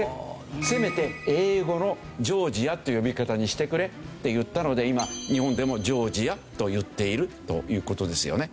せめて英語のジョージアって呼び方にしてくれって言ったので今日本でもジョージアと言っているという事ですよね。